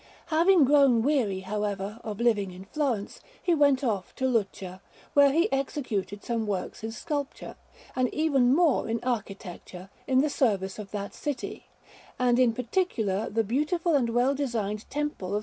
Having grown weary, however, of living in Florence, he went off to Lucca, where he executed some works in sculpture, and even more in architecture, in the service of that city, and, in particular, the beautiful and well designed Temple of S.